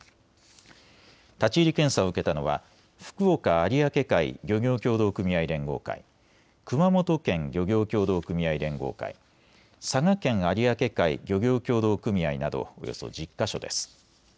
立ち入り検査を受けたのは福岡有明海漁業協同組合連合会、熊本県漁業協同組合連合会、佐賀県有明海漁業協同組合などおよそ１０か所です。